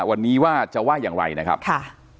วันนี้ว่าจะว่าอย่างไรนะครับค่ะ